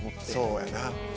そうやな。